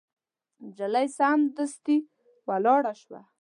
نجلۍ سمدستي ولاړه شوه.